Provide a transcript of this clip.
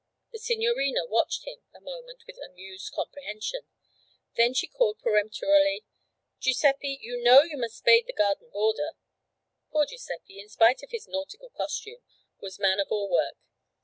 The signorina watched him a moment with amused comprehension, then she called peremptorily 'Giuseppe, you know you must spade the garden border.' Poor Giuseppe, in spite of his nautical costume, was man of all work.